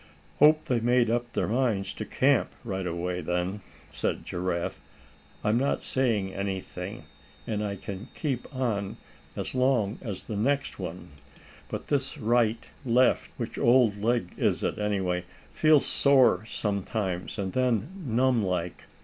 "Hope they made up their minds to camp right away then," said Giraffe. "I'm not saying anything, and I can keep on as long as the next one; but this right left, which old leg is it, anyway feels sore sometimes, and then numb like."